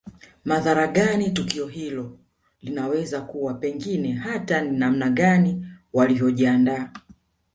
Madhara gani tukio hilo linaweza kuwa pengine hata ni namna gani walivyojiandaa